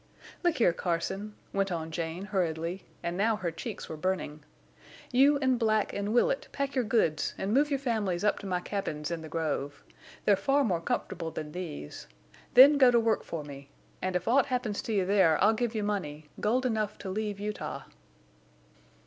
"Look here, Carson," went on Jane, hurriedly, and now her cheeks were burning. "You and Black and Willet pack your goods and move your families up to my cabins in the grove. They're far more comfortable than these. Then go to work for me. And if aught happens to you there I'll give you money—gold enough to leave Utah!"